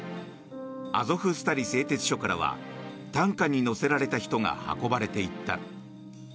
アゾフスタリ製鉄所からは担架に乗せられた人が運ばれていった。